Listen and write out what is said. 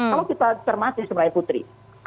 kalau kita cermati sebenarnya putri